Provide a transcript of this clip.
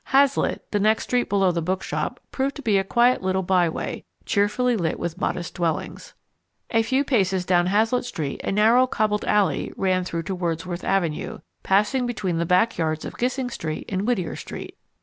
Hazlitt, the next street below the bookshop, proved to be a quiet little byway, cheerfully lit with modest dwellings. A few paces down Hazlitt Street a narrow cobbled alley ran through to Wordsworth Avenue, passing between the back yards of Gissing Street and Whittier Street.